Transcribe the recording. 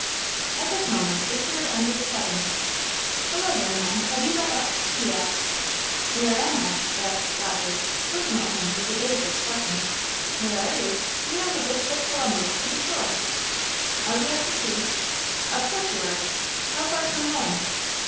At this moment the steward entered the cabin. "Hello, young man! Have you got up?" he asked. "Where am I?" asked Dodger, looking at him with a dazed expression. "Where are you? You're on the good ship Columbia, to be sure?" "Are we out to sea?" "Of course you are." "How far from land?"